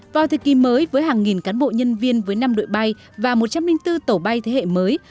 vào thời kỳ mới với hàng nghìn cán bộ nhân viên với năm đội bay và một trăm linh bốn tàu bay thế hệ mới